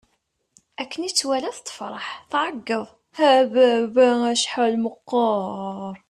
Akken i tt-walat, tefṛeḥ, tɛeggeḍ: A baba! Acḥal meqqeṛ!